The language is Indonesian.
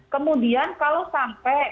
kemudian kalau sampai